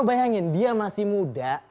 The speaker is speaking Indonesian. bayangin dia masih muda